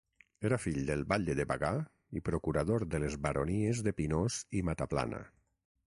Era fill del batlle de Bagà i procurador de les baronies de Pinós i Mataplana.